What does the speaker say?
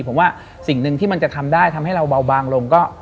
ผมว่าสิ่งหนึ่งที่มันจะทำได้ทำให้เราเบาบางลงก็